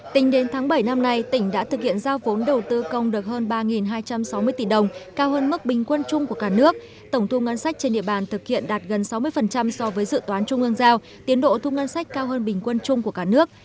tính đến tháng bảy năm nay tỉnh đã thực hiện giao vốn đầu tư công được hơn ba hai trăm sáu mươi tỷ đồng cao hơn mức bình quân chung của cả nước tổng thu ngân sách trên địa bàn thực hiện đạt gần sáu mươi so với dự toán trung ương giao tiến độ thu ngân sách cao hơn bình quân chung của cả nước